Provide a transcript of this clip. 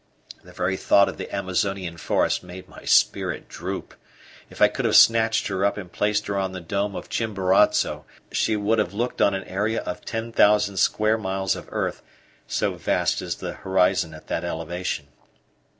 The very thought of the Amazonian forest made my spirit droop. If I could have snatched her up and placed her on the dome of Chimborazo she would have looked on an area of ten thousand square miles of earth, so vast is the horizon at that elevation.